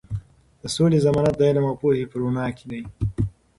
د سولې ضمانت د علم او پوهې په رڼا کې دی.